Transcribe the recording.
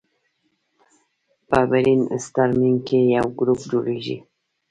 په برین سټارمینګ کې یو ګروپ جوړیږي.